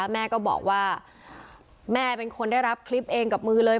แม่ก็บอกว่าแม่เป็นคนได้รับคลิปเองกับมือเลย